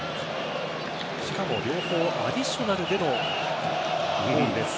しかも、両方アディショナルでのゴールです。